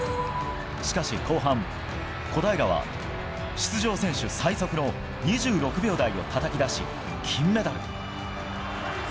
しかし後半、小平は出場選手最速の２６秒台をたたき出し、金メダル。